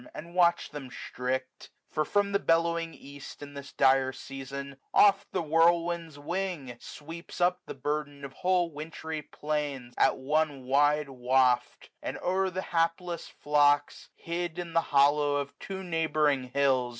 And watch them strict : for from the bellowing east. In this dire season, oft the whirlwind^s wing Sweeps up the burthen of whole wintry plains 273 At one wide waft ; and o'er the hapless flocks. Hid in the hollow of two neighbouring hills.